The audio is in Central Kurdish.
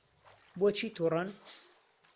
بۆچی تووڕەن؟